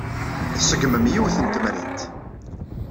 Tṣeggmem yiwet n temrint.